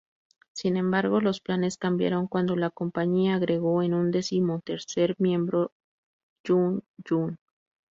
Sin embargo, los planes cambiaron cuando la compañía agregó en un decimotercer miembro, Kyuhyun.